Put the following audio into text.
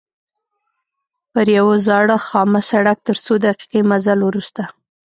پر یوه زاړه خامه سړک تر څو دقیقې مزل وروسته.